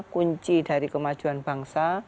kunci dari kemajuan bangsa